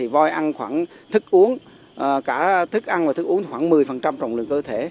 voi ăn khoảng thức uống cả thức ăn và thức uống khoảng một mươi trọng lượng cơ thể